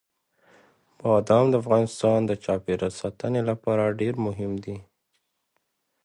بادام د افغانستان د چاپیریال ساتنې لپاره ډېر مهم دي.